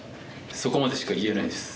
そこまでしか言えないです